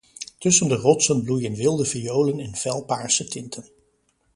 Tussen de rotsen bloeien wilde violen in felpaarse tinten.